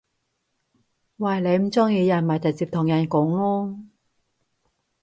喂！你唔中意人咪直接同人講囉